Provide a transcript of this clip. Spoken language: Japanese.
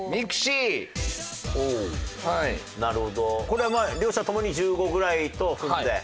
これは両者ともに１５ぐらいと踏んで？